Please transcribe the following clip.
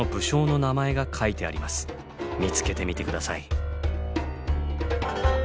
見つけてみて下さい。